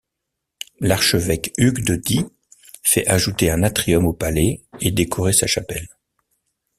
L'archevêque Hugues de Die fait ajouter un atrium au palais et décorer sa chapelle.